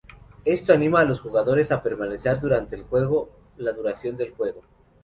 Esto anima a los jugadores a permanecer durante la duración del juego.